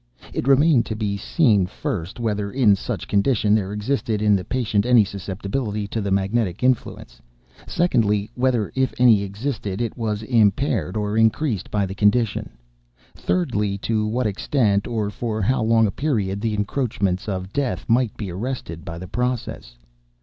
It remained to be seen, first, whether, in such condition, there existed in the patient any susceptibility to the magnetic influence; secondly, whether, if any existed, it was impaired or increased by the condition; thirdly, to what extent, or for how long a period, the encroachments of Death might be arrested by the process.